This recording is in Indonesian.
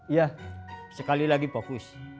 iya sekali lagi fokus